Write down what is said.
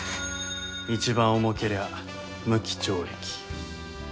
一番重けりゃ無期懲役。